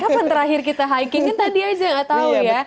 iya kapan terakhir kita hiking kan tadi aja nggak tau ya